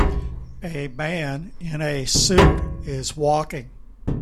A man in a suit is walking